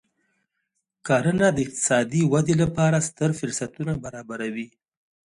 کرنه د اقتصادي ودې لپاره ستر فرصتونه برابروي.